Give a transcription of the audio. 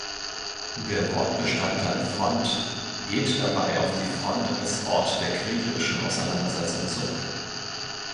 Der Wortbestandteil "Front" geht dabei auf die Front als Ort der kriegerischen Auseinandersetzung zurück.